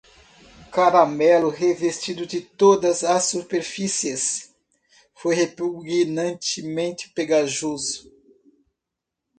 Caramelo revestido de todas as superfícies? foi repugnantemente pegajoso.